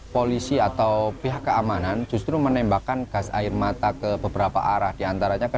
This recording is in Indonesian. polisi atau pihak keamanan justru menembakkan gas air mata ke beberapa arah diantaranya ke